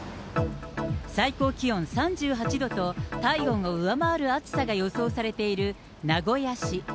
最高気温３８度と、体温を上回る暑さが予想されている名古屋市。